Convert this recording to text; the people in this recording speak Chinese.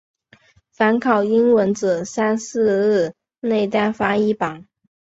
凡考英文者三四日内单发一榜。